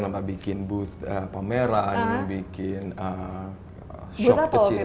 lomba bikin booth pameran bikin shop kecil